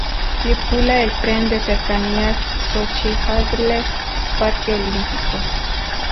Circula el tren de cercanías Sochi-Adler-Parque Olímpico.